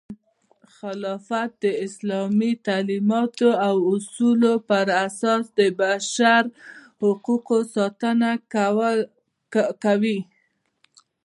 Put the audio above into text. خلافت د اسلامي تعلیماتو او اصولو پراساس د بشر حقونو ساتنه کوي.